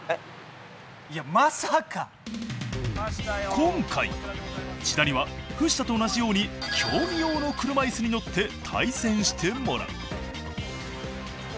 今回千田には藤田と同じように競技用の車いすに乗って対戦してもらう。